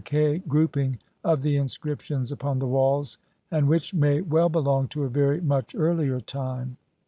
XLI chaic grouping of the inscriptions upon the walls and which may well belong to a very much earlier time.